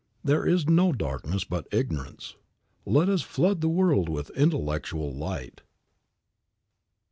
"There is no darkness but ignorance." Let us flood the world with intellectual light.